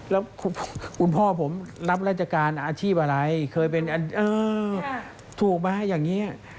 แล้วคุณพ่อผมรับราชการอาชีพอะไรเคยเป็นถูกไหมอย่างนี้